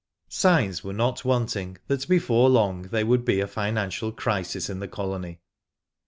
Signs were not wanting that before long there would be a financial crisis in the colony.